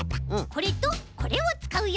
これとこれをつかうよ。